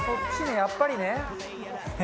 やっぱりね。